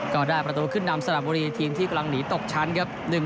ก็ได้ประตูขึ้นนำสละบุรีทีมที่กำลังหนีตกชั้นครับ